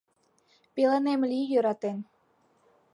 Пеленем лий йӧратен